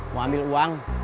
mau ambil uang